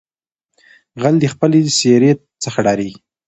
ـ غل دې خپلې سېرې څخه ډاريږي.